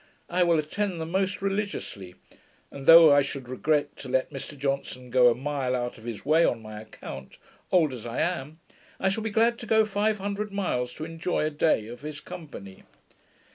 I will attend them most religiously; and though I should regret to let Mr Johnson go a mile out of his way on my account, old as I am, I shall be glad to go five hundred miles to enjoy a day of his company.